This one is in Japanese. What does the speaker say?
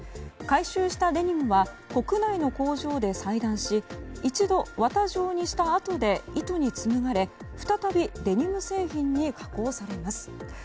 回収したデニムは国内の工場で裁断し一度、綿状にしたあとで糸に紡がれ、再びデニム製品に加工されます。